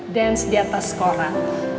dance di atas koran